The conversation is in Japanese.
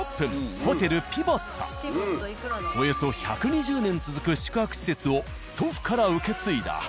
およそ１２０年続く宿泊施設を祖父から受け継いだ。